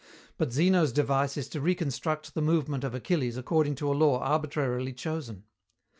But Zeno's device is to reconstruct the movement of Achilles according to a law arbitrarily chosen.